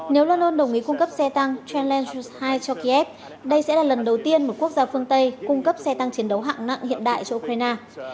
nếu lon đồng ý cung cấp xe tăng traveland hai cho kiev đây sẽ là lần đầu tiên một quốc gia phương tây cung cấp xe tăng chiến đấu hạng nặng hiện đại cho ukraine